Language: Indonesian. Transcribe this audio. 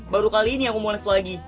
baru kali ini aku mau live lagi